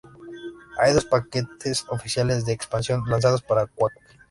Hay dos paquetes oficiales de expansión lanzados para Quake.